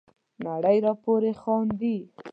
نړۍ را پوري خاندي.